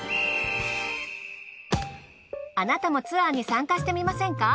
あなたもツアーに参加してみませんか？